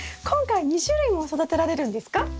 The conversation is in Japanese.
今回２種類も育てられるんですか？